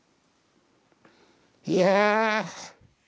いやぁ。